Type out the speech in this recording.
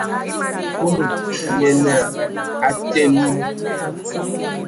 Kulu nye naa: A teen!